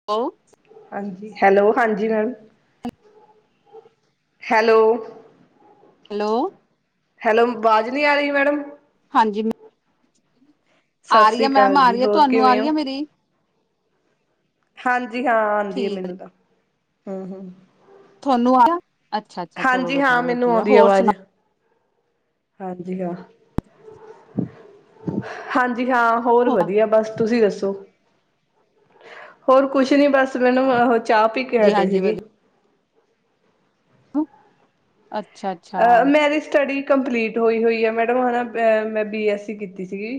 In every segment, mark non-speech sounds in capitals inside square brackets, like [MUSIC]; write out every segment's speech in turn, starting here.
[UNINTELLIGIBLE] ਹਾਂਜੀ ਹੈਲੋ ਹਾਂਜੀ ma'am hello hello hello ਆਵਾਜ਼ ਨਹੀਂ ਆ ਰਹੀ ਮੈਡਮ ਹਾਂਜੀ ਸਤਿ ਆ ਰਹੀ ਏ ਸ੍ਰੀ ਮੈਮ ਅਕਾਲ ਆ ਜੀ ਰਹੀ ਏ ਹੋਰ ਤੁਹਾਨੂੰ ਆ ਕਿਵੇਂ ਰਹੀ ਹੋ ਆ ਮੇਰੀ ਹਾਂਜੀ ਹਾਂ ਆਉਂਦੀ ਹੈ ਠੀਕ ਮੈਨੂੰ ਤਾਂ ਹਮ ਹਮ ਤੁਹਾਨੂੰ ਅੱਛਾ ਅੱਛਾ ਚਲੋ ਹਾਂਜੀ ਹਾਂ ਵਧੀਆ ਮੈਨੂੰ ਵਧੀਆ ਆਉਂਦੀ ਹੋਰ ਸੁ ਆਵਾਜ਼ ਹਾਂਜੀ ਹਾਂ ਹਾਂਜੀ ਹਾਂ ਹੋਰ ਵਧੀਆ ਬਸ ਤੁਸੀਂ ਦੱਸੋ ਹੋਰ ਕੁਛ ਨੀ ਬਸ ਮੈਨੂੰ ਉਹਹ ਚਾਹ ਪੀ ਕੇ ਹਾਂਜੀ ਹਟੇ ਹਾਂਜੀ ਸੀਗੇ ਵਧੀਆ ਅੱਛਾ ਅੱਛਾ ਅ ਮੇਰੀ ਸਟਡੀ ਕੰਪਲੀਟ ਹੋਈ ਹੋਈ ਆ ਮੈਡਮ ਮੈਂ ਬੀ ਐਸ ਸੀ ਕੀਤੀ ਸੀਗੀ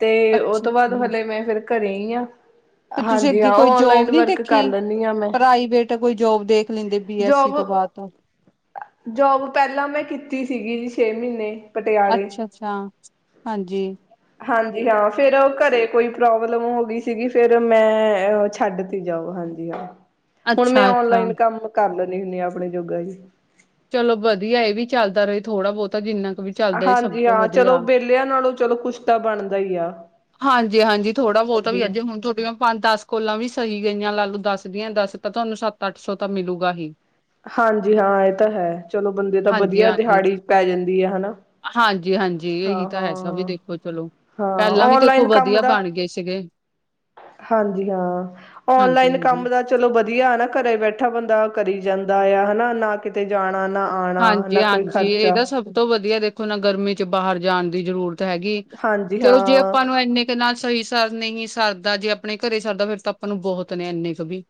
ਤੇ ਉਹ ਅੱਛਾ ਤੋਂ ਬਾਅਦ ਹਲੇ ਮੈਂ ਫਿਰ ਘਰੇ ਹੀਈ ਆ ਫ ਤੁਸੀਂ ਅੱਗੇ ਕੋਈ ਜੋਬ ਨੀ ਕਰ ਦੇਖੀ ਲੈਂਦੀ ਹਾਂ ਮੈਂ ਪ੍ਰਾਈਵੇਟ ਕੋਈ ਜੋਬ ਦੇਖ ਲੈਂਦੇ ਬੀ ਐੱਸਸੀ ਤੋਂ ਜੋਬ ਬਾਅਦ ਅਫ [UNINTELLIGIBLE] ਜੋਬ ਪਹਿਲਾਂ ਮੈਂ ਕੀਤੀ ਸੀਗੀ ਜੀ ਛੇ ਮਹੀਨੇ ਪਟਿਆਲੇ ਅੱਛਾ ਅੱਛਾ ਹਾਂਜੀ ਹਾਂਜੀ ਹਾਂ ਫਿਰ ਘਰੇ ਕੋਈ ਪ੍ਰੋਬਲਮ ਹੋ ਗਈ ਸੀਗੀ ਫਿਰ ਮੈਂ ਛੱਡ ਤੀ ਜੌਬ ਹਾਂਜੀ ਹੁਣ ਮੈਂ ਅੱਛਾ ਅੱਛਾ ਓਨਲਾਈਨ ਕੰਮ ਕਰ ਲੈਦੀ ਹੁੰਦੀ ਹਾਂ ਆਪਣੇ ਜੋਗਾ ਜ ਚਲੋ ਵਧੀਆ ਇਹ ਵੀ ਚੱਲਦਾ ਰਹੇ ਥੋੜਾ ਬਹੁਤਾ ਜਿੰਨਾ ਕੁ ਵੀ ਚੱਲਦਾ ਸਭ ਹਾਂਜੀ ਤੋਂ ਹਾਂ ਚਲੋ ਵਧੀਆ ਵਿਹਲਿਆਂ ਨਾਲੋਂ ਚਲੋ ਕੁਸ਼ਤਾ ਬਣਦਾ ਹੀਈ ਆ ਹਾਂਜੀ ਹਾਂਜੀ ਥੋੜਾ ਬਹੁਤ ਹਾਂਜੀ ਵੀ ਹਾਂ ਅੱਜ ਹੁਣ ਥੋੜੀਆਂ ਪੰਜ ਦਸ ਕੋਲਾਂ ਵੀ ਸਹੀ ਗਈਆਂ ਲਾ ਲੂ ਦੱਸ ਦੀਆਂ ਦੱਸ ਤਾਂ ਤੁਹਾਨੂੰ ਸੱਤ ਅੱਠ ਸੌ ਤਾਂ ਮਿਲੂਗਾ ਹੀ ਹਾਂਜੀ ਹਾਂ ਇਹ ਤਾਂ ਹੈ ਚਲੋ ਬੰਦੇ ਤਾਂ ਵਧੀਆ ਦਿਹਾੜੀ ਪੈ ਜਾਂਦੀ ਹੈ ਹਨਾ ਹਾਂਜੀ ਹਾਂਜੀ ਜੀ ਇਹੀ ਹਾਂ ਤਾਂ ਹੈਸਾ ਵੀ ਹਾਂ ਦੇਖੋ ਚਲੋ ਹਾਂ ਪਹਿਲਾਂ ਵੀ ਦੇਖੋ ਔਨਲਾਈਨ ਕੰਮ ਵਧੀਆ ਦਾ ਬਣ ਗਏ ਸੀਗੇ ਹਾਂਜੀ ਹਾਂ ਔਨਲਾਈਨ ਹਾਂਜੀ-ਹਾਂਜੀ, ਕੰਮ ਦਾ ਚਲੋ ਵਧੀਆ ਹਨ ਨਾ ਘਰੇ ਬੈਠਾ ਬੰਦਾ ਕਰੀ ਜਾਂਦਾ ਆ ਹਨਾ ਨਾ ਕਿਤੇ ਜਾਣਾ ਨਾ ਆਉਣਾ ਨਾ ਕੋਈ ਹਾਂਜੀ-ਹਾਂਜੀ ਖਰਚਾ ਇਹਦਾ ਸਭ ਤੋਂ ਵਧੀਆ ਦੇਖੋ ਨਾ ਗਰਮੀ ਚ ਬਾਹਰ ਜਾਣ ਦੀ ਜ਼ਰੂਰਤ ਹੈਗੀ ਹਾਂਜੀ ਚਲੋ ਜੇ ਹਾਂ ਆਪਾਂ ਨੂੰ ਇੰਨੇ ਨਾਲ ਸਹੀ ਸਰ ਨਹੀਂ ਸਰਦਾ ਜੇ ਆਪਣੇ ਘਰੇ ਸਰਦਾ ਫੇਿਰ ਤਾਂ ਆਪਾਂ ਨੂੰ ਬਹੁਤ ਨੇ ਇੰਨੇ ਕੁ ਵੀ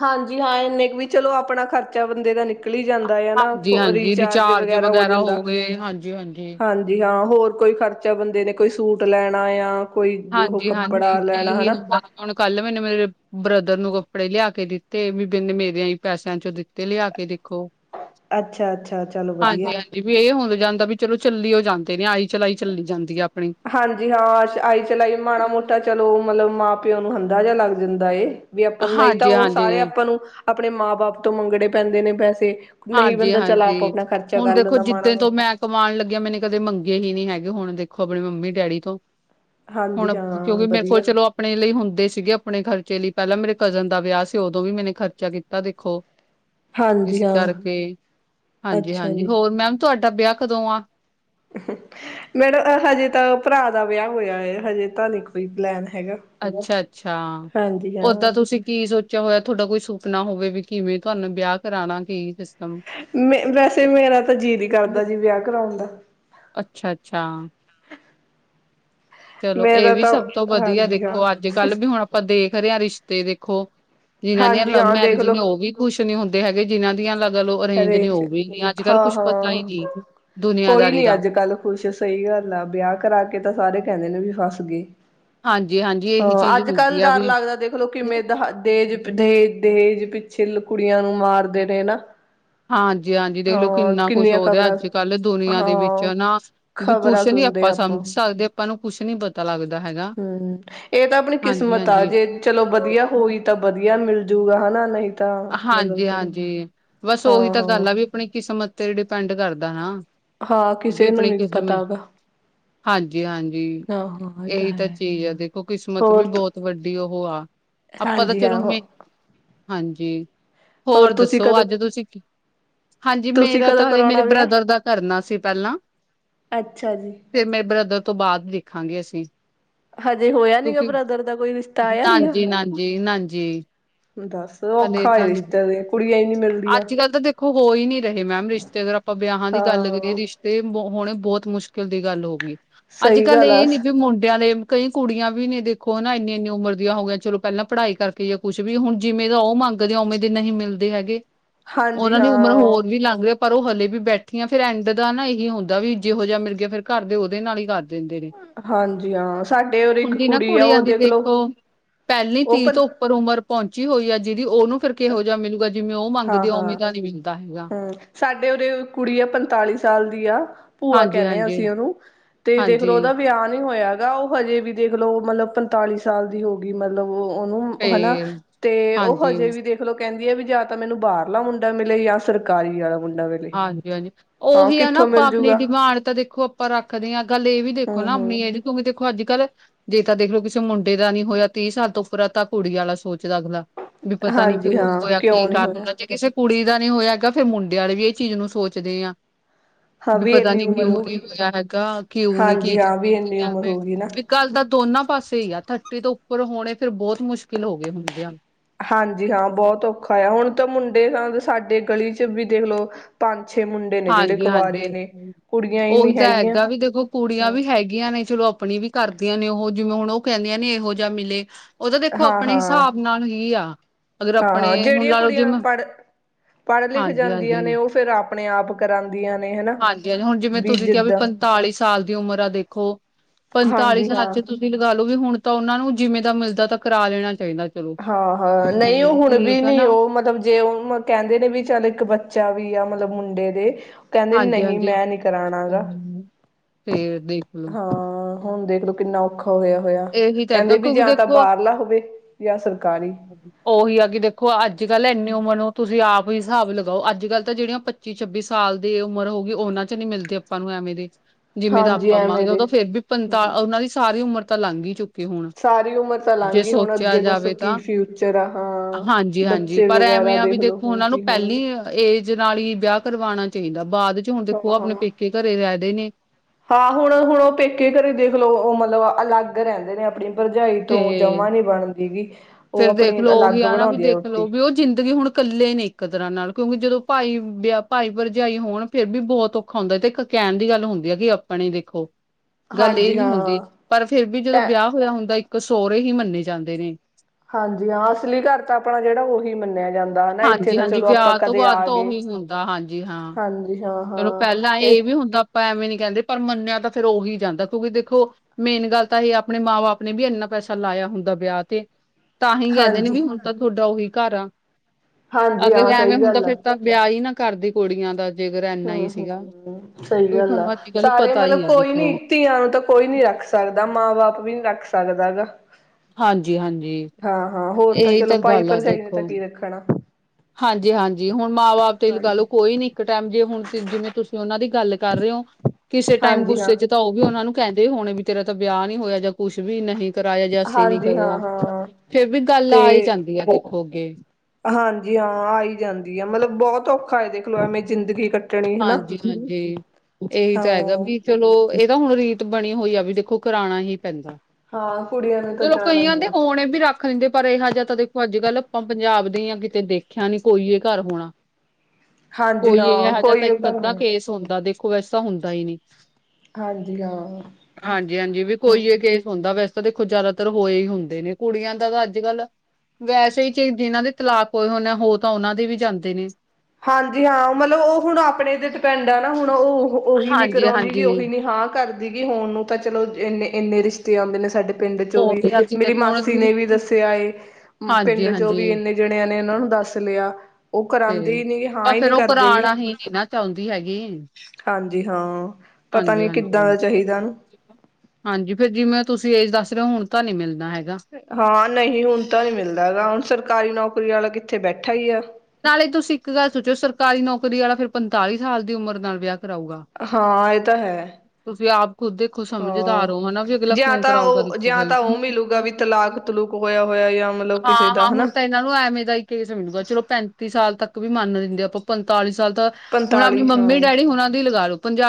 ਹਾਂਜੀ ਹਾਂ ਇੰਨੇ ਕੁ ਵੀ ਚਲੋ ਆਪਣਾ ਖਰਚਾ ਬੰਦੇ ਦਾ ਨਿਕਲ ਨਿਕਲੀ ਜਾਂਦਾ ਨਾ ਫ ਹਾਂਜੀ-ਹਾਂਜੀ ਰੀਚਾਰਜ ਰਿਚਾਰਜ ਵਗੈਰਾ ਹੋ ਜਾਂਦਾ ਗਏ ਹਾਂਜੀ-ਹਾਂਜੀ। ਹਾਂਜੀ ਜੀ ਹਾਂ ਹੋਰ ਕੋਈ ਖਰਚਾ ਬੰਦੇ ਨੇ ਕੋਈ ਸੂਟ ਲੈਣਾ ਆ ਕੋਈ ਜੋ ਹਾਂਜੀ-ਹਾਂਜੀ, ਕੱਪੜਾ ਲੈਣਾ ਇਹੀ ਹਨਾ ਹੁੰਦਾ ਹੁਣ ਕੱਲ ਮੈਨੇ ਮੇਰੇ ਬ੍ਰਦਰ ਨੂੰ ਕੱਪੜੇ ਲਿਆ ਕੇ ਦਿੱਤੇ ਵੀ ਬਿੰਨੇ ਮੇਰੀਆਂ ਹੀ ਪੈਸਿਆਂ ਚੋਂ ਦਿੱ ਤੇ ਲਿਆ ਕੇ ਦੇਖੋ ਅੱਛਾ ਅੱਛਾ ਚਲੋ ਵਧੀਆ ਹਾਂਜੀ-ਹਾਂਜੀ ਵੀ ਇਹ ਹੁੰ ਜਾਂਦਾ ਵੀ ਚਲੋ ਚੱਲੀ ਉਹ ਜਾਂਦੇ ਨੇ ਆਈ ਚਲਾਈ ਚੱਲੀ ਜਾਂਦੀ ਆ ਆਪਣੀ ਹਾਂਜੀ, ਹਾਂ ਆਈ ਚਲਾਈ ਮਾੜਾ-ਮੋਟਾ ਚਲੋ ਮਤਲਬ ਮਾਂ ਪਿਓ ਨੂੰ ਹੁੰਦਾ ਜਾਂ ਲੱਗ ਜਾਂਦਾ ਏ। ਵੀ ਆਪਾਂ ਨੂੰ ਨਹੀਂ ਤਾਂ ਉਹ ਸਾਰੇ ਹਾਂਜੀ-ਹਾਂਜੀ, ਆਪਾਂ ਨੂੰ ਆਪਣੇ ਮਾਂ ਬਾਪ ਤੋਂ ਮੰਗਣੇ ਪੈਂਦੇ ਨੇ ਪੈਸੇ ਨਹੀਂ ਬੰਦਾ ਚਲ ਆਪ ਹਾਂਜੀ-ਹਾਂਜੀ। ਆਪਣਾ ਖਰਚਾ ਕਰ ਲੈਂਦਾ ਮਾੜਾ ਮੋਟਾ ਕਮਾਨ ਲੱਗਿਆ ਮੈਨੇ ਕਦੇ ਮੰਗੇ ਹੀ ਨੀ ਹੈਗੇ ਹੁਣ ਦੇਖੋ ਆਪਣੀ ਮੰਮੀ ਡੈਡੀ ਤੋਂ ਹੁਣ ਹਾਂਜੀ ਹਾਂ ਕਿਉਂਕਿ ਮੇਰੇ ਵਧੀਆ ਕੋਲ ਚਲੋ ਆਪਣੇ ਲਈ ਹੁੰਦੇ ਸੀਗੇ ਆਪਣੇ ਖਰਚੇ ਲਈ ਪਹਿਲਾਂ ਮੇਰੇ ਕਜ਼ਨ ਦਾ ਵਿਆਹ ਸੀ ਉਦੋਂ ਵੀ ਮੈਨੇ ਖਰਚਾ ਕੀਤਾ ਦੇਖੋ ਹਾਂਜੀ ਹਾਂ ਚਰ ਗ ਹਾਂਜੀ ਅੱਛਾ ਹਾਂਜੀ ਜੀ ਹੋਰ ਮੈਮ ਤੁਹਾਡਾ ਵਿਆਹ ਕਦੋਂ ਆ ਮੈਡਮ ਹਜੇ ਤਾਂ ਭਰਾ ਦਾ ਵਿਆਹ ਹੋਇਆ ਹੈ ਹਜੇ ਤਾਂ ਨੀ ਕੋਈ ਪਲੈਨ ਹੈਗਾ ਅੱਛਾ ਅੱਛਾ ਹਾਂਜੀ ਹਾਂ ਓਦਾਂ ਤੁਸੀਂ ਕੀ ਸੋਚਿਆ ਹੋਇਆ ਤੁਹਾਡਾ ਕੋਈ ਸੁਪਨਾ ਹੋਵੇ ਵੀ ਕਿਵੇਂ ਤੁਹਾਨੂੰ ਵਿਆਹ ਕਰਾਉਣਾ ਕੀ ਸਿਸਟਮ? ਮੈਂ ਵੈਸੇ ਮੇਰਾ ਤਾਂ ਜੀਦ ਹੀ ਕਰਦਾ ਜੀ ਵਿਆਹ ਕਰਾਉਣ ਨੂੰ ਅੱਛਾ ਅੱਛਾ ਚਲੋ ਇਹ ਮੇਰਾ ਵੀ ਤਾਂ ਸਭ ਤੋਂ ਵਧੀਆ ਹਾਂਜੀ ਹਾਂ ਦੇਖੋ ਅੱਜ ਕੱਲ ਵੀ ਹੁਣ ਆਪਾਂ ਦੇਖ ਰਹੇ ਹਾਂ ਰਿਸ਼ਤੇ ਦੇਖੋ ਜਿਨਾਂ ਦੀਆਂ ਹਾਂਜੀ ਲਵ ਹਾਂ ਮੈਰਿਜ ਨੇ ਦੇਖਲੋ ਉਹ ਵੀ ਕੁਛ ਨੀ ਹੁੰਦੇ ਹੈਗੇ ਜਿਨ੍ਹਾਂ ਦੀਆਂ ਗੱਲ ਉਹ ਅਰੇਂਜ ਨੀ ਰੇਂਜ ਹੋਵੇ ਨੀ, ਅੱਜ-ਕੱਲ ਹਾਂ ਕੁਛ ਪਤਾ ਹੀ ਹਾਂ ਨੀ ਦੁਨੀਆਂ ਕੋਈ ਦਾਰੀ ਨੀ ਦਾ। ਅੱਜ ਕੱਲ੍ਹ ਖੁਸ਼, ਸਹੀ ਗੱਲ ਆ ਵਿਆਹ ਕਰਾ ਕੇ ਤਾਂ ਸਾਰੇ ਕਹਿੰਦੇ ਨੇ ਵੀ ਫਸ ਗਏ। ਹਾਂਜੀ-ਹਾਂਜੀ ਇਹੀ ਹਾਂ ਚੀਜ਼ ਹੁੰਦੀ ਅੱਜ-ਕੱਲ ਆ ਡਰ ਵੀ ਲੱਗਦਾ, ਦੇਖਲੋ ਕਿਵੇਂ ਦ ਦਾਜ ਦਜ ਦੇਜ ਪਿੱਛੇ ਕੁੜੀਆਂ ਨੂੰ ਮਾਰਦੇ ਨੇ ਨਾ ਹਾਂਜੀ-ਹਾਂਜੀ, ਦੇਖ ਲਓ ਹਾਂ ਕਿੰਨਾ ਕੁਛ ਕਿੰਨੀਆਂ ਹੋ ਰਿਹਾ ਖ਼ਬਰਾਂ ਅੱਜ-ਕੱਲ ਦੁਨੀਆਂ ਦੇ ਵਿੱਚ ਹਾਂ ਨਾ ਵੀ ਖ਼ਬਰਾਂ ਕੁਛ ਨੀ ਸੁਣਦੇ ਆਪਾਂ ਹਾਂ ਸਮਝ ਸਕਦੇ, ਆਪਾਂ ਨੂੰ ਕੁਛ ਨੀ ਪਤਾ ਲੱਗਦਾ ਹੈਗਾ। ਹਮ, ਇਹ ਤਾਂ ਆਪਣੀ ਕਿਸਮਤ ਆ ਹਾਂਜੀ-ਹਾਂਜੀ। ਜੇ ਚਲੋ ਵਧੀਆ ਹੋਈ ਤਾਂ ਵਧੀਆ ਮਿਲਜੂਗਾ ਹਨਾ ਨਹੀਂ। ਤਾਂ ਮਤਲਬ ਚਲੋ ਹਾਂਜੀ-ਹਾਂਜੀ, ਬਸ ਉਹੀ ਹਾਂ ਤਾਂ ਹਾਂ ਗੱਲ ਆ ਵੀ ਆਪਣੀ ਕਿਸਮਤ ਤੇ ਡਿਪੈਂਡ ਕਰਦਾ ਨਾ। ਹਾਂ ਵੀ ਕਿਸੇ ਨੂੰ ਆਪਣੀ ਨੀ ਪਤਾ ਕਿਸਮਤ ਹੈਗਾ। ਹਾਂਜੀ-ਹਾਂਜੀ, ਹਾਂ ਇਹ ਇਹੀ ਤਾਂ ਹੈ ਚੀਜ਼ ਏ, ਦੇਖੋ ਕਿਸਮਤ ਵੀ ਹੋਰ ਬਹੁਤ ਵੱਡੀ ਉਹ ਆ, ਆਪਾਂ ਤਾਂ ਹਾਂਜੀ ਹਾਂ ਚਲੋ ਹੋ ਮੇ ਹਾਂਜੀ। ਹੋਰ ਤੁਸੀਂ ਦੱਸੋ ਕਦੋਂ ਅੱਜ ਤੁਸੀਂ ਕੀ ਹਾਂਜੀ, ਤੁਸੀਂ ਮੇਰਾ ਕਦੋਂ ਤਾਂ ਹਾਲੇ ਮੇਰੇ ਕਰਾਉਣਾ ਵਿਆਹ? ਬ੍ਰਦਰ ਦਾ ਕਰਨਾ ਸੀ ਪਹਿਲਾਂ ਅੱਛਾ ਜੀ। ਫਿਰ ਮੇਰੇ ਬ੍ਰਦਰ ਤੋਂ ਬਾਅਦ ਦੇਖਾਂਗੇ ਅਸੀਂ। ਹਜੇ ਹੋਇਆ ਨੀ ਗਾ ਕਿਉਂਕਿ ਬ੍ਰਦਰ ਦਾ ਕੋਈ ਰਿਸ਼ਤਾ ਆਇਆ ਨੀ ਗਾ, ਨਾਂਜੀ, ਦੱਸ। ਹੇ ਔਖਾ ਏ ਤਾਂ ਨੀ ਰਿਸ਼ਤੇ ਦੇ ਕੁੜੀਆਂ ਈ ਨੀ ਮਿਲਦੀਆਂ। ਅੱਜ-ਕੱਲ ਤਾਂ ਦੇਖੋ ਹੋ ਹੀ ਨੀ ਰਹੇ ਮੈਮ ਰਿਸ਼ਤੇ ਆਪਾਂ ਵਿਆਹਾਂ ਦੀ ਗੱਲ ਕਰੀਏ ਹਾਂ ਰਿਸ਼ ਤੇ ਹੁਣੇ ਬਹੁਤ ਮੁਸ਼ਕਿਲ ਦੀ ਗੱਲ ਹੋ ਗਈ। ਸਹੀ ਅੱਜ-ਕੱਲ ਗੱਲ ਆ ਇਹ ਨੀ ਵੀ ਮੁੰਡਿਆਂ ਦੇ ਕਈ ਕੁੜੀਆਂ ਵੀ ਨੇ ਦੇਖੋ ਨਾ ਇੰਨੀ-ਇੰਨੀ ਉਮਰ ਦੀਆਂ ਹੋ ਗਈਆਂ, ਚਲੋ ਪਹਿਲਾਂ ਪੜ੍ਹਾਈ ਕਰਕੇ ਜਾਂ ਕੁਛ ਵੀ ਹੁਣ ਜਿਵੇਂ ਉਹ ਮੰਗਦੇ ਉਵੇਂ ਦਿਨ ਹੀਂ ਮਿਲਦੇ ਹੈਗੇ, ਹਾਂਜੀ ਉਹਨਾਂ ਦੀ ਉਮਰ ਹਾਂ। ਹੋਰ ਵੀ ਲੰਘਦੇ ਪਰ ਉਹ ਹਲੇ ਵੀ ਬੈਠੀਆਂ ਫੇਰ ਐਂਡ ਦਾ ਨਾ ਇਹੀ ਹੁੰਦਾ ਵੀ ਜਹੋ ਜਿਹਾ ਮਿਲ ਗਿਆ ਫਿਰ ਘਰ ਦੇ ਉਹਦੇ ਨਾਲ ਹੀ ਕਰ ਦਿੰਦੇ ਨੇ। ਹਾਂਜੀ ਹਾਂ ਸਾਡੇ ਉਰੇ ਹੁਣ ਇੱਕ ਜਿਨਾ ਕੁੜੀ ਆ ਕੁੜੀਆ ਉਹ ਦੀ ਦੇਖਲੋ ਦੇਖੋ ਪਹਿਲੀ ਉਹ ਤੀਹ ਪੰ ਤੋਂ ਉੱਪਰ ਉਮਰ ਪਹੁੰਚੀ ਹੋਈ ਆ ਜਿਹਦੀ ਉਹਨੂੰ ਫਿਰ ਕਿਹੋ ਜਿਹਾ ਮਿਲੂਗਾ, ਜਿਵੇਂ ਉਹ ਹਾਂ ਮੰਗਦੇ ਉਵੇਂ ਹਾਂ ਦਾ ਨੀ ਮਿਲਦਾ ਹੈਗਾ। ਹੂੰ ਸਾਡੇ ਉਹਦੇ ਕੁੜੀ ਆ, ਪੰਤਾਲੀ ਸਾਲ ਦੀ ਆ, ਭੂਆ ਹਾਂਜੀ, ਕਹਿੰਦੇ ਆ ਹਾਂਜੀ, ਅਸੀਂ ਉਹਨੂੰ। ਤੇ ਦੇਖਲੋ ਹਾਂਜੀ ਉਹਦਾ ਵਿਆਹ ਨਹੀ ਹੋਇਆ ਹੈਗਾ, ਉਹ ਹਜੇ ਵੀ ਦੇਖ ਲੋ ਮਤਲਬ ਪੰਤਾਲੀ ਸਾਲ ਦੀ ਹੋ ਗ ਮਤਲਬ ਉਹਨੂੰ ਹੈਨਾ ਫੇਰ ਤੇ ਉਹ ਹਾਂਜੀ, ਹਜੇ ਵੀ ਦੇਖ ਖਲੋ ਕਹਿੰਦੀ ਆ ਵੀ ਜਾਂ ਤਾਂ ਮੈਨੂੰ ਬਾਹਰਲਾ ਮੁੰਡਾ ਮਿਲੇ ਜਾਂ ਸਰਕਾਰੀ ਵਾਲਾ ਮੁੰਡਾ ਮਲੇ। ਹਾਂਜੀ-ਹਾਂਜੀ। ਉਹੀ ਆ ਨਾ ਆਪਾਂ ਆਪਣੀ ਜੂਗਾ ਡਿਮਾਂਡ ਤਾਂ ਦੇਖੋ ਆਪਾਂ ਰੱਖਦੇ ਆ, ਗੱਲ ਇਹ ਵੀ ਦੇਖੋ ਨਾ ਆਪਣੀ ਹੂੰ-ਹੂੰ ਇਹ ਉਹ ਵੀਂ ਦੇਖੋ ਅੱਜ-ਕੱਲ੍ਹ ਜੇ ਤਾਂ ਦੇਖਲੋ ਕਿਸੇ ਮੁੰਡੇ ਦਾ ਨੀ ਹੋਇਆ ਤੀਹ ਸਾਲ ਤੋਂ ਉੱਪਰ ਤਾਂ ਕੁੜੀ ਵਾਲਾ ਸੋਚਦਾ ਅਗਲਾ ਵੀ ਪਤਾ ਨੀ ਹਾਂਜੀ ਕਿਉਂ ਹਾਂ ਹੋਇਆ ਕੀ ਕਿਉਂ ਨੀ ਕਾਰਨ ਹੋਇਆ ਹੁੰਦਾ ਕਿਸ ਕੁੜੀ ਦਾ ਨਹੀਂ ਹੋਇਆ ਹੈਗਾ ਫਿਰ ਮੁੰਡੇ ਵਾਲੇ ਵੀ ਇਹ ਚੀਜ਼ ਨੂੰ ਸੋਚਦੇ ਆ। ਹਾਂ ਵੀ ਪਤਾ ਇੰਨੀ ਨੀ ਉਮਰ ਕਿਉਂ ਹੋ ਨਹੀਂ ਗਈ ਹੋਇਆ ਹੈਗਾ ਕਿਉ ਨਹੀਂ ਕੀ ਹਾਂਜੀ ਚ ਹਾਂ ਕੀ ਵੀ ਇੰਨੀ ਉਮਰ ਕਹਿੰਦੇ ਹੋ ਗਈ ਨਾ ਵੀ ਗੱਲ ਤਾਂ ਦੋਨਾਂ ਪਾਸੇ ਹੀ ਆ। ਥਰਟੀ ਤੋਂ ਉੱਪਰ ਹੋਣੇ ਫਿਰ ਬਹੁਤ ਮੁਸ਼ਕਿਲ ਹੋ ਗਏ ਹੁੰਦਿਆਂ ਨੂੰ। ਹਾਂਜੀ ਹਾਂ ਬਹੁਤ ਔਖਾ ਆ ਹੁਣ ਤਾਂ ਮੁੰਡੇ ਤਾਂ ਸਾਡੇ ਗਲੀ ਚ ਵੀ ਦੇਖਲੋ ਪੰਜ-ਛੇ ਮੁੰਡੇ ਨੇ ਜਿਹੜੇ ਹਾਂਜੀ ਕੁਆਰੇ ਹਾਂਜੀ ਨੇ, ਕੁੜੀਆਂ ਹੀ ਨਹੀਂ ਹੈਗੀਆਂ ਹੂੰ। ਮਿਲਦੀਆਂ ਨੇ ਚਲੋ ਆਪਣੀ ਵੀ ਕਰਦੀਆਂ ਨੇ ਉਹ ਜਿਵੇਂ ਹੁਣ ਉਹ ਕਹਿੰਦੀਆਂ ਨੇ ਇਹੋ ਜਿਹਾ ਮਿਲੇ ਉਦਾ ਤਾਂ ਦੇਖੋ ਹਾਂ ਹਾਂ ਆਪਣੇ ਹਾਂ ਹਿਸਾਬ ਨਾਲ ਹੀ ਆ, ਅਗਰ ਹਾਂ ਹਾਂ ਆਪਣੇ ਹੁਣ ਜਿਹੜੀਆਂ ਲਾ ਲਓ ਕੁੜੀਆਂ ਜਿਵੇ ਪੜ੍ਹ ਪੜ੍ਹ ਲਿਖ ਜਾਂਦੀਆਂ ਨੇ ਹਾਂਜੀ-ਹਾਂਜੀ। ਉਹ ਫਿਰ ਆਪਣੇ ਆਪ ਕਰਾਂਦੀਆਂ ਨੇ ਹਨਾ ਹਾਂਜੀ-ਹਾਂਜੀ, ਹੁਣ ਜਿਵੇਂ ਤੁਸੀਂ ਕਿਹਾ ਵੀ ਪੰਤਾਲੀ ਸਾਲ ਦੀ ਉਮਰ ਆ ਦੇਖੋ, ਪੰਤਾਲੀ ਹਾਂਜੀ ਸਾਲ ਹਾਂ ਚ ਤੁਸੀਂ ਲਗਾ ਲੋ ਵੀ ਹੁਣ ਤਾਂ ਉਹਨਾਂ ਨੂੰ ਜਿਵੇਂ ਦਾ ਮਿਲਦਾ ਤਾਂ ਕਰਾ ਲੈਣਾ ਚਾਹੀਦਾ। ਚਲੋ ਹਾਂ-ਹਾਂ, ਨਹੀਂ ਉਹ ਹੂੰ, ਹੁਣ ਵੀ ਠੀਕ ਆ ਨੀ ਨਾ ਉਹ ਮਤਲਬ ਜੇ ਉਹ ਕਹਿੰਦੇ ਨੇ ਵੀ ਚੱਲ ਇੱਕ ਬੱਚਾ ਵੀ ਆ ਮਤਲਬ ਮੁੰਡੇ ਦੇ ਕਹਿੰਦੇ ਹਾਂਜੀ ਨਹੀਂ ਹਾਂਜੀ ਮੈਂ ਨੀ ਕਰਾਣਾ ਹੈਗਾ, ਫੇਰ ਦੇਖਲੋ ਹਾਂ। ਹੁਣ ਦੇਖਲੋ ਕਿੰਨਾ ਔਖਾ ਹੋਇਆ ਹੋਇਆ, ਇਹੀ ਤਾਂ ਹੈਗਾ ਕਹਿੰਦੇ ਵੀ ਕਿਉਂਕਿ ਜਾਂ ਤਾਂ ਦੇਖੋ ਬਾਹਰਲਾ ਹੋਵੇ ਜਾਂ ਸਰਕਾਰੀ ਉਹੀ ਆ ਕਿ ਦੇਖੋ ਅੱਜ ਕੱਲ ਇੰਨੀ ਉਮਰ ਨੂੰ ਤੁਸੀਂ ਆਪ ਹੀ ਹਿਸਾਬ ਲਗਾਓ ਅੱਜ ਕੱਲ੍ਹ ਤਾਂ ਜਿਹੜੀਆਂ ਪੱਚੀ- ਛੱਬੀ ਸਾਲ ਦੀ ਉਮਰ ਹੋ ਗਈ ਉਹਨਾਂ ਚ ਨੀ ਮਿਲਦੀ ਆਪਾਂ ਨੂੰ ਐਵੇਂ, ਦੇ ਜਿਵੇਂ ਦਾ ਹਾਂਜੀ ਆਪਾਂ ਐਵੇਂ ਮੰਗਦੇ ਉਹ ਦੇ ਤਾਂ ਫੇਰ ਵੀ ਹਮ ਪੰਤਾਲ ਉਹਨਾਂ ਦੀ ਸਾਰੀ ਉਮਰ ਤਾਂ ਲੰਘ ਹੀ ਚੁੱਕੇ ਹੁਣ ਸਾਰੀ ਉਮਰ ਤਾਂ ਲੰਘ ਜੇ ਗਈ ਹੁਣ ਸੋਚਿਆ ਅੱਗੇ ਦੱਸੋ ਜਾਵੇ ਕੀ ਤਾਂ। ਫਿਊਚਰ ਆ ਹਾਂ ਹਾਂਜੀ- ਹਾਂਜੀ, ਬੱਚੇ ਪਰ ਵਗੈਰਾ ਐਵੇਂ ਆ ਵੀ ਦੇਖਲੋ ਦੇਖੋ ਹੁਣ ਉਹਨਾਂ ਨੂੰ ਕੀ ਹੋਣਗੇ ਪਹਿਲੀ ਏਜ ਨਾਲ ਹੀ ਵਿਆਹ ਕਰਵਾਉਣਾ ਚਾਹੀਦਾ ਬਾਅਦ ਚ ਹੁਣ ਹਾਂ ਦੇਖੋ ਹਾਂ ਆਪਣੇ ਪੇਕੇ ਘਰੇ ਰਹਿਦੇ ਨੇ। ਹਾਂ ਹੁਣ, ਹੁਣ ਉਹ ਪੇਕੇ ਘਰੇ ਦੇਖ ਲਓ ਉਹ ਮਤਲਬ ਅਲੱਗ ਰਹਿੰਦੇ ਨੇ। ਆਪਣੀ ਭਰਜਾਈ ਤੋਂ ਤੇ ਜਮਾ ਨੀ ਬਣਦੀ ਹੈਗੀ, ਉਹ ਫੇਰ ਆਪਣੀ ਦੇਖਲੋ ਉਹੀ ਅਲੱਗ ਆ ਨਾ ਵੀ ਬਣਾਉਂਦੀ ਹੈ ਰੋਟੀ। ਦੇਖਲੋ ਵੀ ਉਹ ਜ਼ਿੰਦਗੀ ਹੁਣ ਇਕੱਲੇ ਨੇ ਇੱਕ ਤਰ੍ਹਾਂ ਨਾਲ, ਕਿਉਂਕਿ ਜਦੋਂ ਭਾਈ ਭਰਜਾਈ ਹੋਣ ਫਿਰ ਵੀ ਬਹੁਤ ਔ ਖਾਉਦਾ ਤੇ ਇੱਕ ਕਹਿਣ ਦੀ ਗੱਲ ਹੁੰਦੀ ਹੈ ਕਿ ਆਪਣੇ ਦੇਖੋ ਗੱਲ ਇਹ ਹਾਂਜੀ ਨੀ ਹੁੰਦੀ, ਹਾਂ ਪਰ ਫਿਰ ਵੀ ਜਦੋਂ ਟੈ ਵਿਆਹ ਹੋਇਆ ਹੁੰਦਾ ਇੱਕ ਸਹੁਰੇ ਹੀ ਮੰਨੇ ਜਾਂਦੇ ਨੇ। ਹਾਂਜੀ ਹਾਂ, ਅਸਲੀ ਘਰ ਤਾਂ ਆਪਣਾ ਜਿਹੜਾ ਉਹੀ ਮੰਨਿਆ ਜਾਂਦਾ। ਹਨਾ ਇੱਥੇ ਹਾਂਜੀ- ਤਾਂ ਹਾਂਜੀ ਚਲੋ ਆਪਾਂ ਵਿਆਹ ਤੋਂ ਕਦੇ ਆ ਬਾਅਦ ਗਏ ਉਹੀ ਹੁੰਦਾ, ਹਾਂਜੀ ਹਾਂ। ਹਾਂਜੀ ਹਾਂ। ਚਲੋ ਪਹਿਲਾਂ ਇਹ ਵੀ ਹੁੰਦਾ ਆਪਾਂ ਐਵੇਂ ਨੀ ਕਹਿੰਦੇ ਪਰ ਮੰਨਿਆ ਤਾਂ ਫਿਰ ਉਹੀ ਜਾਂਦਾ ਕਿਉਂਕਿ ਦੇਖੋ ਮੇਨ ਗੱਲ ਤਾਂ ਇਹ ਆਪਣੇ ਮਾਂ ਬਾਪ ਨੇ ਵੀ ਇੰਨਾ ਪੈਸਾ ਲਾਇਆ ਹੁੰਦਾ ਵਿਆਹ ਤੇ ਤਾਂ ਹੀ ਕਹਿੰਦੇ ਨੇ ਵੀ ਹਾਂਜੀ ਹੁਣ ਤਾਂ ਤੁਹਾਡਾ ਉਹੀ ਘਰ ਆ, ਹਾਂਜੀ ਅਗੇ ਹਾਂ ਐਵੇਂ ਸਹੀ ਹੁਣ ਤਾਂ ਗੱਲ ਆ ਫਿਰ ਤਾਂ ਵਿਆਹ ਹੀ ਨਾ ਕਰਦੀ ਕੁੜੀਆਂ ਦਾ ਜੇ ਹਮ- ਹਮ ਸਹੀ ਗੱਲ ਆ, ਤੁਹਾਨੂੰ ਅੱਜ ਕੱਲ ਸਾਰੇ ਪਤਾ ਮਤਲਬ ਹੀ ਆ ਕੋਈ ਨੀ ਦੇਖੋ ਧੀਆਂ ਨੂੰ ਤਾਂ ਕੋਈ ਨੀ ਰੱਖ ਸਕਦਾ ਮਾਂ ਬਾਪ ਵੀ ਨਹੀਂ ਰੱਖ ਸਕਦਾ ਹੈਗਾ। ਹਾਂਜੀ- ਹਾਂਜੀ। ਹਾਂ- ਹਾਂ ਹੋਰ ਤਾਂ ਚਲੋ ਭਾਈ ਭਰਜਾਈ ਨੇ ਤਾਂ ਕੀ ਰੱਖਣਾ। ਹਾਂਜੀ -ਹਾਂਜੀ ਹੁਣ ਮਾਂ ਬਾਪ ਤੇ ਲਗਾ ਲਓ ਹਾਂਜੀ ਕੋਈ ਨੀ ਇੱਕ ਟਾਈਮ ਜੇ ਹੁਣ ਜਿਵੇਂ ਤੁਸੀਂ ਉਹਨਾਂ ਦੀ ਗੱਲ ਕਰ ਰਹੇ ਹੋ ਕਿਸੇ ਟਾਈਮ ਹਾਂਜੀ ਹਾਂ ਗੁੱਸੇ ਚ ਤਾਂ ਉਹ ਵੀ ਉਹਨਾ ਨੂੰ ਕਹਿੰਦੇ ਹੋਣੇ ਵੀ ਤੇਰਾ ਤਾਂ ਵਿਆਹ ਨੀ ਹੋਇਆ ਜਾਂ ਕੁਛ ਵੀ ਨਹੀਂ ਕਰਾਇਆ ਜਾਂ ਅਸੀਂ ਨੀ ਹਾਂਜੀ ਹਾਂ ਕਰਿਆ, ਹਾਂ ਫੇਰ ਵੀ ਗੱਲ ਤੇ ਆ ਹੀ ਜਾਂਦੀ ਆ ਦੇਖੋ ਅੱਗੇ। ਹਾਂਜੀ ਹਾਂ ਆਈ ਜਾਂਦੀ ਹੈ, ਮਤਲਬ ਬਹੁਤ ਔਖਾ ਦੇਖਲੋ ਐਵੇਂ ਜ਼ਿੰਦਗੀ ਕੱਟਣੀ ਹਨਾ ਹਾਂਜੀ -ਹਾਂਜੀ ਇਹੀ ਤਾਂ ਹੈਗਾ ਹਾਂ ਕਿ ਚਲੋ ਇਹ ਤਾਂ ਹੁਣ ਰੀਤ ਬਣੀ ਹੋਈ ਆ ਵੀ ਦੇਖੋ ਕਰਾਉਣਾ ਹੀ ਪੈਂਦਾ। ਹਾਂ ਕੁੜੀਆਂ ਨੇ ਤਾਂ ਚਲੋ ਜਾਣਾ ਕਈਆ ਹੀ ਕਦੇ ਆ। ਹੁਣ ਵੀ ਰੱਖ ਲਿੰਦੇ ਪਰ ਇਹੋ ਜਿਹਾ ਤਾਂ ਦੇਖੋ ਅੱਜ ਕੱਲ੍ਹ ਆਪਾਂ ਪੰਜਾਬ ਦੇ ਹੀ ਆ ਕਿਤੇ ਦੇਖਿਆ ਨੀ ਕੋਈ ਇਹ ਘਰ ਹੋਣਾ। ਹਾਂਜੀ ਕੋਈ ਇਹੋ ਹਾਂ ਜਿਹਾ ਤਾਂ ਕੋਈ ਉਹ ਇੱਕ ਘਰ ਅੱਧਾ ਹੋਣਾ। ਕੇਸ ਹੁੰਦਾ ਦੇਖੋ ਵੈਸਾ ਹੁੰਦਾ ਹੀ ਨਹੀਂ ਹਾਂਜੀ ਹਾਂ। ਹਾਂਜੀ -ਹਾਂਜੀ ਵੀ ਕੋਈ ਕੇ ਹੁੰਦਾ ਵੈਸੇ ਤਾਂ ਦੇਖੋ ਜ਼ਿਆਦਾਤਰ ਹੋਏ ਹੀ ਹੁੰਦੇ ਨੇ, ਕੁੜੀਆਂ ਦਾ ਤਾਂ ਅੱਜ ਕੱਲ੍ਹ ਵੈਸੇ ਹੀ ਚੇ ਜਿਹਨਾਂ ਦੇ ਤਲਾਕ ਹੋਏ ਹੁੰਦੇ ਆ ਹੋ ਤਾਂ ਉਹਨਾਂ ਦੇ ਵੀ ਜਾਂਦੇ ਨੇ। ਹਾਂਜੀ ਹਾਂ, ਮਤਲਬ ਉਹ ਹੁਣ ਆਪਣੇ ਤੇ ਡਿਪੈਂਡ ਆ ਨਾ ਹੁਣ ਉਹ ਉਹੀ ਨੀ ਕਰਾਉਂਦੀ ਜੀ ਹਾਂਜੀ-ਹਾਂਜੀ ਉਹੀ ਨੀ ਹਾਂ ਕਰਦੀ ਗੀ, ਹੋਣ ਨੂੰ ਤਾਂ ਚਲੋ ਇੰਨੇ-ਇੰਨੇ ਰਿਸ਼ਤੇ ਆਂਦੇ ਨੇ ਸਾਡੇ। ਪਿੰਡ ਚੋਂ ਉਹ ਵੀ, ਅਸੀਂ ਮੇਰੀ ਦੇਖੋ ਮਾਸੀ ਹੁਣ ਨੇ ਵੀ ਦੱਸਿਆ ਏ, ਪਿੰਡ ਚੋਂ ਵੀ ਹਾਂਜੀ-ਹਾਂਜੀ ਇੰਨੇ ਜਿਹੜੀਆਂ ਨੇ ਉਹਨਾਂ ਨੂੰ ਦੱਸ ਲਿਆ ਉਹ ਘਾਂ ਤਾਂ ਫਿਰ ਉਹ ਗਰਾਣਾ ਹੀ ਨੀ ਨਾ ਚਾਹੁੰਦੀ ਹੈਗੀ ਹਾਂਜੀ ਹਾਂ, ਪਤਾ ਨੀ ਕਿੱਦਾਂ ਹਾਂਜੀ-ਹਾਂਜੀ। ਦਾ ਚਾਹੀਦਾ ਹਾਂਜੀ ਫੇਰ ਜਿਵੇਂ ਤੁਸੀਂ ਏਜ ਦੱਸ ਰਹੇ ਹੋ ਹੁਣ ਤਾਂ ਨਹੀ ਮਿਲਣਾ ਹੈਗਾ ਹਾਂ ਨਹੀਂ ਹੁਣ ਤਾਂ ਨਹੀ ਮਿਲਦਾ ਹੈਗਾ ਹੁਣ ਸਰਕਾਰੀ ਨੌਕਰੀ ਵਾਲਾ ਕਿੱਥੇ ਬੈਠਾ ਹੀ ਆ ਨਾਲੇ ਤੁਸੀਂ ਇੱਕ ਗੱਲ ਸੋਚਿਓ ਸਰਕਾਰੀ ਨੌਕਰੀ ਵਾਲਾ ਫਿਰ ਪੰਤਾਲੀ ਸਾਲ ਦੀ ਉਮਰ ਨਾਲ ਵਿਆਹ ਕਰਾਊਗਾ ਹਾਂ ਇਹ ਤਾਂ ਹੈ ਤੁਸੀਂ ਆਪ ਖੁੱਦ ਦੇਖੋ ਸਮਝਦਾਰ ਹੋ ਹਾਂ ਹਨਾ ਵੀ ਅਗਲਾ ਕਿਉਂ ਕਰਾਉਗਾ ਰਿਸ਼ਤਾ ਫਿਰ ਤਲਾਕ-ਤਲੂਕ ਹੋਇਆ ਹੋਇਆ, ਯਾਂ ਮਤਲਬ ਕਿਸੇ ਦਾ ਹਾਂ-ਹਾਂ ਹਨਾ। ਹੁਣ ਤਾਂ ਇਹਨਾਂ ਨੂੰ ਐਵੇਂ ਦਾ ਹੀ ਕੇਸ ਮਿਲੂਗਾ ਚਲੋ, ਪੈਂਤੀ ਸਾਲ ਤੱਕ ਵੀ ਮੰਨ ਲਿਂਦੇ ਆਂ ਪਰ ਪੰਤਾਲੀ ਸਾਲ ਤਾਂ ਹੁਣ ਆਪਣੀ ਪੰਤਾਲੀ ਹਾਂ ਮੰਮੀ ਡੈਡੀ ਹੋਂਨਾ ਦੀ ਲਗਾ ਲੋ। ਪੰਜੀ,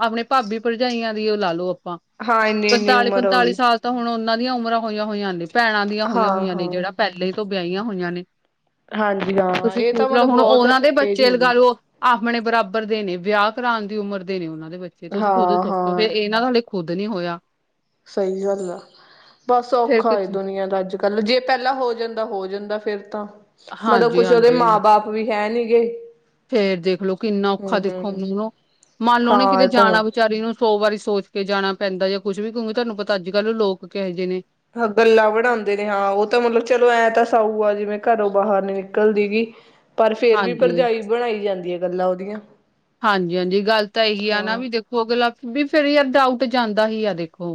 ਆਪਣੇ ਭਾਬੀ ਭਰਜਾਈਆਂ ਦੀ ਉਹ ਲਾ ਲੋ ਆਪਾਂ, ਹਾਂ ਇੰਨੀ ਇੰਨੀ ਉਮਰ ਹੋ ਪੰਤਾਲੀ਼-ਪੰਤਾਲੀ਼ ਗਈ ਸਾਲ ਤਾਂ ਹੁਣ ਉਹਨਾਂ ਦੀਆਂ ਉਮਰਾਂ ਹੋਈਆਂ-ਹੋਈਆਂ ਨੇ, ਭੈਣਾਂ ਦੀਆਂ ਹਾਂ ਹੋਈਆਂ-ਹੋਈਆਂ ਨੇ, ਹਾਂ ਜਿਹੜਾ ਪਹਿਲੇਂ ਤੋਂ ਵਿਆਹੀਆਂ ਹੋਈਆਂ ਨੇ। ਹਾਂਜੀ ਹਾਂ। ਤੁਸੀਂ ਇਹ ਤਾਂ ਪੁੂਛ ਲਓ, ਮਤਲਬ ਹੁਣ ਬਹੁਤ ਉਹਨਾਂ ਦੇ ਏਜ ਬੱਚੇ ਹੋ ਲਗਾ ਗਈ ਲਓ। ਆਪਣੇ ਬਰਾਬਰ ਦੇ ਨੇ, ਵਿਆਹ ਕਰਾਨ ਦੀ ਉਮਰ ਦੇ ਨੇ ਉਹਨਾਂ ਦੇ ਬੱਚੇ, ਤੁਸੀਂ ਖੁਦ ਹਾਂ ਸੋਚੋ, ਹਾਂ ਫੇਰ ਇਹਨਾਂ ਦ ਖੁਦ ਨੀਂ ਹੋਇਆ ਸਈ ਗੱਲ ਆ, ਬਸ ਫੇਰ ਔਖਾ ਏ ਕੁਛ। ਦੁਨੀਆਂ ਦਾ ਅੱਜ। ਕਲ ਜੇ ਪਹਿਲਾਂ ਹੋ ਜਾਂਦਾ, ਹੋ ਜਾਂਦਾ ਫੇਰ ਤਾਂ, ਮਤਲਬ ਹਾਂਜੀ ਕੁੱਛ ਉਹਦੇ ਹਾਂਜੀ ਮਾਂ ਬਾਪ ਓ ਵੀ ਹੈ ਨੀ ਗੇ? ਫੇਰ ਦੇਖਲੋ ਕਿੰਨਾ ਹਮ ਔਖਾ ਦੇਖੋ ਹਮ ਮੂੰਹਰੋਂ, ਮੰਨ ਲਓ ਨੇ ਹਾਂ ਕਿਤੇ ਇਹ ਤਾਂ ਹੈ ਜਾਣਾ ਵਿਚਾਰੀ ਨੂੰ ਸੋ ਵਾਰੀ ਸੋਚ ਕੇ ਜਾਣਾ ਪੈਂਦਾ, ਜਾਂ ਕੁੱਛ ਵੀ ਕਹੁੰਗੀ ਤੁਹਾਨੂੰ ਪਤਾ ਅੱਜ ਕੱਲ੍ਹ ਲੋਕ ਕਿਹੋ ਜਿਹੇ ਨੇ। ਗੱਲਾਂ ਬਣਾਉਂਦੇ ਨੇ ਹਾਂ, ਉਹ ਤਾਂ ਮਤਲਬ ਚਲੋ ਐਂ ਤਾਂ ਸਾਊ ਆ ਜਿਵੇਂ ਘਰੋਂ ਬਾਹਰ ਨੀ ਨਿਕਲਦੀ ਗੀ। ਪਰ ਫੇਰ ਵੀ ਹਾਂਜੀ ਭਰਜਾਈ ਬਣਾਈ ਜਾਂਦੀ ਐ, ਗੱਲਾਂ ਉਹਦੀਆਂ। ਹਾਂਜੀ ਹਾਂਜੀ ਗੱਲ ਤਾਂ ਇਹੀ ਆ ਨਾ, ਹਾਂ। ਵੀ ਦੇਖੋ ਅਗਲਾ ਵੀ, ਫਿਰ ਯਾਰ ਡਾਊਟ ਜਾਂਦਾ ਈ ਆ ਦੇਖੋ।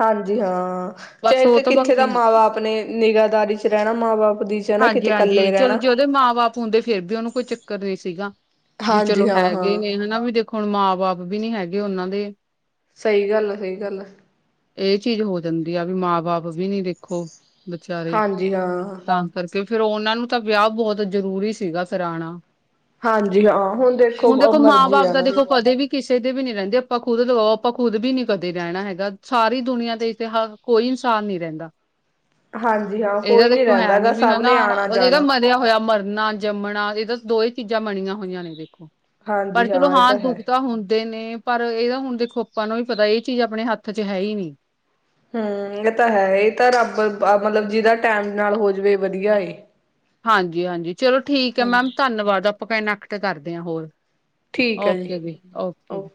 ਹਾਂਜੀ ਹਾਂ, ਚਾ ਬਸ ਉਹ ਇੱਥੇ ਤਾਂ ਕਿੱਥੇ ਬਸ ਦਾ ਮਾਂ ਬਾਪ ਨੇ, ਨਿਗਾਦਾਰੀ 'ਚ' ਰਹਿਣਾ ਮਾਂ ਬਾਪ ਦੀ ਚ ਨਾ ਹਾਂਜੀ ਕਿਤੇ ਹਾਂਜੀ, ਇਕੱਲੇ ਚਲੋ ਰਹਿਣਾ। ਜੇ ਉਹਦੇ ਮਾਂ ਬਾਪ ਹੁੰਦੇ ਫੇਰ ਵੀ ਉਹਨੂੰ ਕੋਈ ਚੱਕਰ ਨਹੀਂ ਸੀਗਾ। ਵੀ ਹਾਂਜੀ ਚਲੋ ਹਾਂ ਹੈਗੇ ਹਾਂ ਨੇ ਹਨਾ, ਵੀ ਦੇਖੋ ਹੁਣ ਮਾਂ ਬਾਪ ਵੀ ਨੀ ਹੈਗੇ ਉਹਨਾਂ ਦੇ। ਸਹੀ ਗੱਲ ਆ, ਸਹੀ ਗੱਲ ਆ। ਇਹ ਚੀਜ਼ ਹੋ ਜਾਂਦੀ ਆ, ਵੀ ਮਾਂ ਬਾਪ ਵੀ ਨੀ ਦੇਖੋ, ਵਿਚਾਰੇ। ਜੀ ਹਾਂ। ਤਾਂ ਕਰਕੇ, ਫਿਰ ਉਹਨਾਂ ਨੂੰ ਤਾਂ ਵਿਆਹ ਬਹੁਤ ਜਰੂਰੀ ਸੀਗਾ ਕਰਾਣਾ। ਹਾਂਜੀ ਹਾਂ, ਹੁਣ ਦੇਖੋ ਮਾਂ ਮਰਜੀ ਬਾਪ ਆ ਤਾਂ ਨਾ। ਵੀ ਦੇਖੋ ਕਦੇ ਵੀ ਕਿਸੇ ਦੇ ਵੀ ਨੀ ਰਹਿੰਦੇ, ਆਪਾਂ ਖੁਦ ਲਗਾਓ ਆਪਾਂ ਖੁਦ ਵੀ ਨੀ ਕਦੇ ਰਹਿਣਾ ਹੈਗਾ, ਸਾਰੀ ਦੁਨੀਆਂ ਦੇ ਇਤਿਹਾਸ ਕੋਈ ਇਨਸਾਨ ਨੀੰ ਰਹਿੰਦਾ। ਹਾਂਜੀ ਹਾਂ, ਇਹਦਾ ਕੋਈ ਨੀ ਦੇਖੋ ਰਹਿੰਦਾ। ਨੀ ਗਾ ਵੀ ਸਭ ਹਨਾ ਨੇ ਆਣਾ ਵ ਜਾਣਾ [UNINTELLIGIBLE] ਹੋਇਆ ਮਰਨਾ-ਜੰਮਣਾ ਇਹਦਾ ਦੋ ਹੀ ਚੀਜ਼ਾਂ ਬਣੀਆਂ ਹੋਈਆਂ ਨੇ ਦੇਖੋ। ਪਰ ਹਾਂਜੀ ਚਲੋ ਇਹ ਹਾਂ ਦੁੱਖ ਹੈ। ਤਾਂ ਹੁੰਦੇ ਨੇ, ਪਰ ਇਹਦਾ ਹੁਣ ਦੇਖੋ ਆਪਾਂ ਨੂੰ ਵੀ ਪਤਾ ਇਹ ਚੀਜ਼ ਆਪਣੇ ਹੱਥ ਚ ਹੈ ਹੀ ਨੀ। ਹਮ, ਇਹ ਤਾਂ ਹੈ ਇਹ ਤਾਂ ਰੱਬ ਮਤਲਬ, ਜਿਹਦਾ ਟੈਮ ਨਾਲ ਹੋ ਜਾਵੇ ਵਧੀਆ ਏ। ਹਾਂਜੀ ਹਾਂਜੀ ਚਲੋ ਠੀਕ ਐ ਮੈਮ, ਹਾਂਜੀ। ਧੰਨਵਾਦ ਆਪਾਂ ਕਨੈਕਟ ਕਰਦੇ ਆਂ ਹੋਰ। ਠੀਕ ਹੈ ਓਕੇ ਜੀ, ਓਕੇ।